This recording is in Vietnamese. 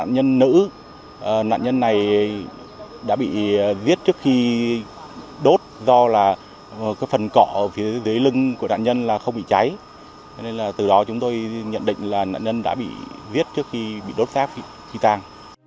nạn nhân đã bị viết trước khi bị đốt tác bị chi tàn